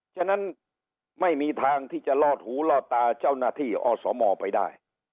ฉะนั้นไม่มีทางที่จะลอดหูลอดตาเจ้าหน้าที่อสมไปได้